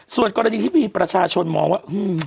ส่วนกรณีที่มีประชาชนมองว่า